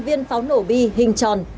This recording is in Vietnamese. năm trăm linh viên pháo nổ bi hình tròn